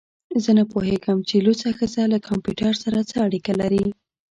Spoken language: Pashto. زه نه پوهیږم چې لوڅه ښځه له کمپیوټر سره څه اړیکه لري